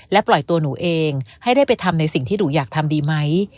ปล่อยตัวหนูเองให้ได้ไปทำในสิ่งที่หนูอยากทำดีไหม